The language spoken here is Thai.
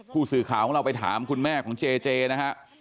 ผู้สื่อข่าวของเราไปถามคุณแม่ของเจเจนะฮะ